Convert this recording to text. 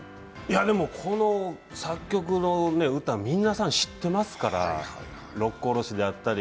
でも、作曲の歌皆さん知ってますから「六甲おろし」であったり。